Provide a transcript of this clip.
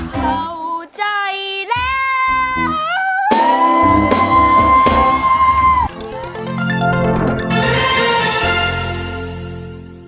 เข้าใจแล้ว